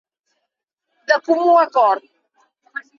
De comú acord.